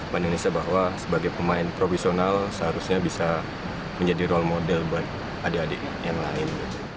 bagi indonesia bahwa sebagai pemain profesional seharusnya bisa menjadi role model buat adik adik yang lain